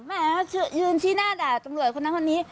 แม่ยืนชี้หน้าด่าตำรวจคนนั้นคนนี้